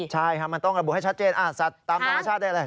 ใช่ครับมันต้องระบุให้ชัดเจนสัตว์ตามธรรมชาติได้อะไร